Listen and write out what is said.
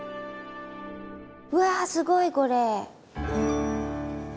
うわあすごいこれ！